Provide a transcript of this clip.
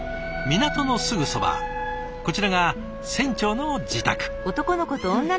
港のすぐそばこちらが船長の自宅。